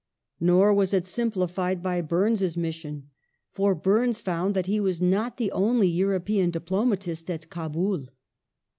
Nor was it simplified by Burnes's mission, for Burnes found that he was not the only European diplomatist at Kabul.